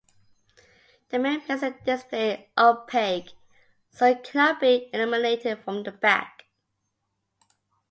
The mirror makes the display opaque so it cannot be illuminated from the back.